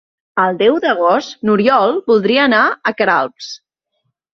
El deu d'agost n'Oriol voldria anar a Queralbs.